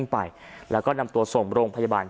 พระเจ้าอาวาสกันหน่อยนะครับ